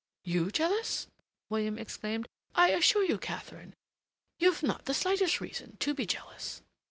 "You jealous!" William exclaimed. "I assure you, Katharine, you've not the slightest reason to be jealous.